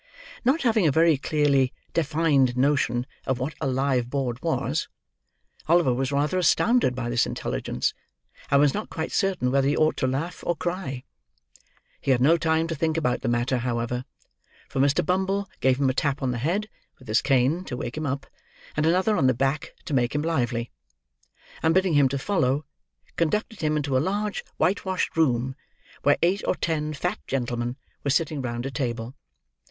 Not having a very clearly defined notion of what a live board was, Oliver was rather astounded by this intelligence, and was not quite certain whether he ought to laugh or cry. He had no time to think about the matter, however; for Mr. Bumble gave him a tap on the head, with his cane, to wake him up: and another on the back to make him lively: and bidding him to follow, conducted him into a large white washed room, where eight or ten fat gentlemen were sitting round a table.